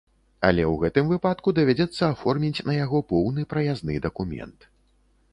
Але ў гэтым выпадку давядзецца аформіць на яго поўны праязны дакумент.